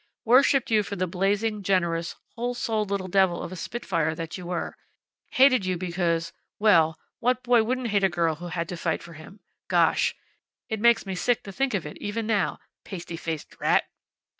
Worshiped you for the blazing, generous, whole souled little devil of a spitfire that you were. Hated you because well, what boy wouldn't hate a girl who had to fight for him. Gosh! It makes me sick to think of it, even now. Pasty faced rat!"